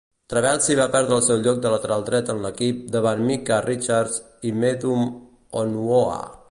Trabelsi va perdre el seu lloc de lateral dret en l'equip davant Micah Richards i Nedum Onuoha.